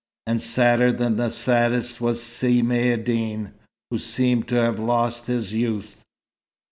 And sadder than the saddest was Si Maïeddine, who seemed to have lost his youth.